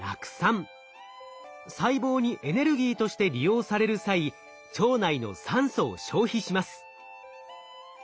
細胞にエネルギーとして利用される際腸内の酸素を消費します。